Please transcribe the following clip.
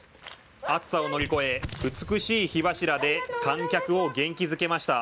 熱さを乗り越え、美しい火柱で観客を元気づけました。